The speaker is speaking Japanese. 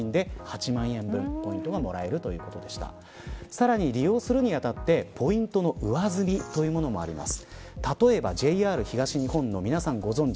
さらに、利用するにあたってポイントの上積みというものもあります。